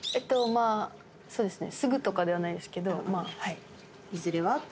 まあそうですね。